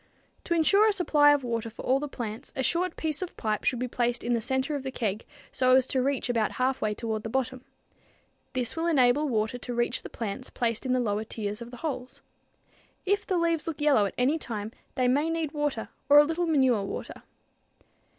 To insure a supply of water for all the plants, a short piece of pipe should be placed in the center of the keg so as to reach about half way toward the bottom. This will enable water to reach the plants placed in the lower tiers of holes. If the leaves look yellow at any time, they may need water or a little manure water.